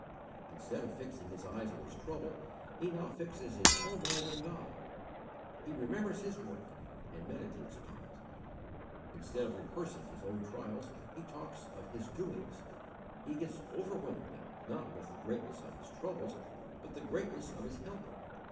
Instead of fixing his eyes on his trouble he now fixes his whole mind on God. He remembers His work, and meditates upon it; instead of rehearsing his own trials, he talks of His doings. He gets overwhelmed now, not with the greatness of his troubles, but the greatness of his Helper.